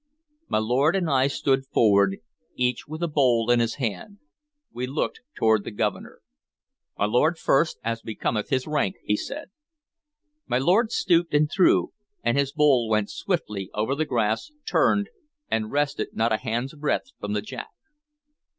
My lord and I stood forward, each with a bowl in his hand. We looked toward the Governor. "My lord first, as becometh his rank," he said. My lord stooped and threw, and his bowl went swiftly over the grass, turned, and rested not a hands' breadth from the jack.